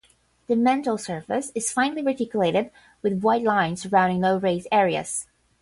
The mantle surface is finely reticulated with white lines surrounding low raised areas.